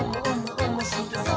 おもしろそう！」